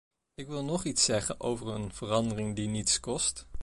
Ik wil nog iets zeggen over een verandering die niets kost.